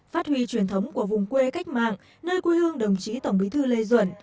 phát huy truyền thống của vùng quê cách mạng nơi quê hương đồng chí tổng bí thư lê duẩn